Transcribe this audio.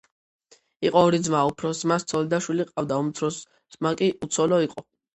იყო ორი ძმა. უფროს ძმას ცოლი და შვილი ჰყავდა, უმცროსი ძმა კი უცოლო იყო.